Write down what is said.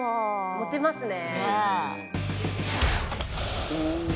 「モテますね」